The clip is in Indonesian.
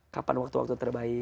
kapan waktu waktu terbaik